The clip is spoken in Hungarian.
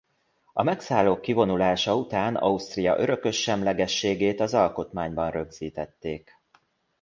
A megszállók kivonulása után Ausztria örökös semlegességét az alkotmányban rögzítették.